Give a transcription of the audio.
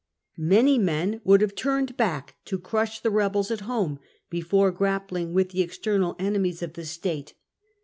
Many men would have turned back to crush the rebels at home before grappling with the external enemies of the state.